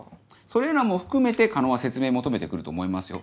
それらも含めて狩野は説明求めて来ると思いますよ。